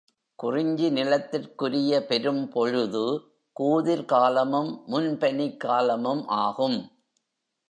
குறிஞ்சி நிலத்திற்குரிய பெரும்பொழுது கூதிர் காலமும் முன்பனிக் காலமும் ஆகும்.